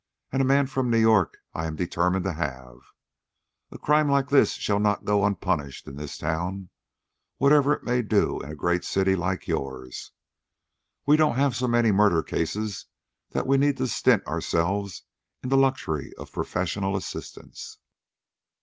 And a man from New York I am determined to have. A crime like this shall not go unpunished in this town, whatever it may do in a great city like yours. We don't have so many murder cases that we need to stint ourselves in the luxury of professional assistance."